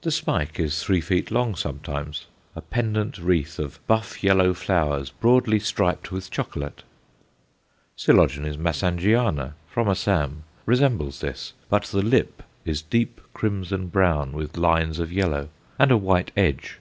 The spike is three feet long sometimes, a pendant wreath of buff yellow flowers broadly striped with chocolate. Coel. Massangeana, from Assam, resembles this, but the lip is deep crimson brown, with lines of yellow, and a white edge.